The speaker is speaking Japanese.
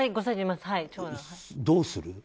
どうする？